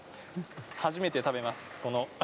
初めて食べます。